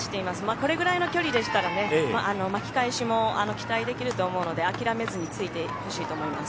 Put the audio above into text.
これぐらいの距離でしたら巻き返しも期待できると思うので諦めずについてほしいと思います。